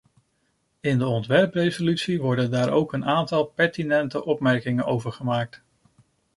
In de ontwerpresolutie worden daar ook een aantal pertinente opmerkingen over gemaakt.